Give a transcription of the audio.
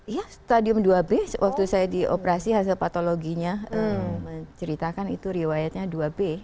iya stadium dua b waktu saya di operasi hasil patologinya menceritakan itu riwayatnya dua b